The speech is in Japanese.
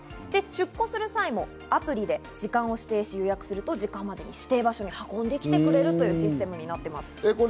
出庫する際もアプリで時間を指定し予約すると、時間までに指定場所に運んでくれるシステムになっています。